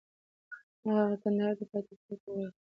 نه، هغه کندهار د پایتخت په توګه غوره کړ.